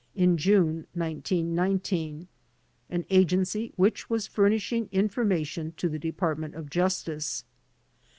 in June, 1919, an agency which was furnishing information to the Department of Justice.